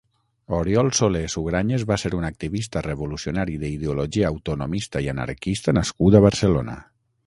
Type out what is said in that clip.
Oriol Solé Sugranyes va ser un activista revolucionari d'ideologia autonomista i anarquista nascut a Barcelona.